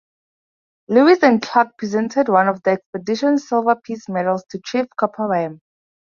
Lewis and Clark presented one of the expedition's silver peace medals to Chief Kepowhan.